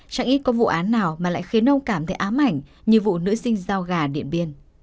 chẳng ít có vụ án nào mà lại khiến ông cảm thấy ám ảnh như vụ nữ sinh giao gà điện biên